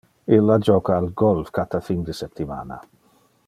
Illa joca al golf cata fin de septimana.